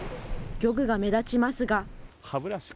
漁具が目立ちますが。